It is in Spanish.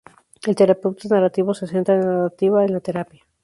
El terapeuta narrativo se centra en la narrativa en la terapia.